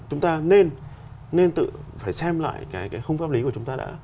chúng ta nên tự phải xem lại cái khung pháp lý của chúng ta đã